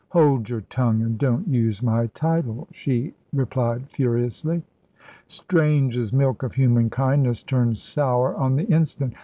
"Hold your tongue, and don't use my title," she replied furiously. Strange's milk of human kindness turned sour on the instant.